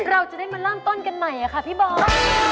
เราจะได้มาเริ่มต้นกันใหม่ค่ะพี่บอส